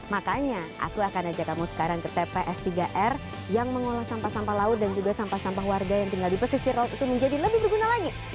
makanya aku akan ajak kamu sekarang ke tps tiga r yang mengolah sampah sampah laut dan juga sampah sampah warga yang tinggal di pesisir laut itu menjadi lebih berguna lagi